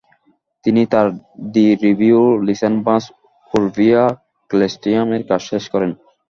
তিনি তার “De revolutionibus orbium কেলেসটিয়াম” এর কাজ শেষ করেন।